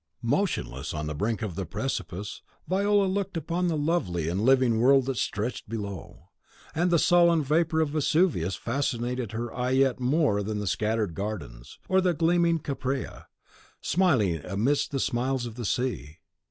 Motionless on the brink of the precipice, Viola looked upon the lovely and living world that stretched below; and the sullen vapour of Vesuvius fascinated her eye yet more than the scattered gardens, or the gleaming Caprea, smiling amidst the smiles of the sea.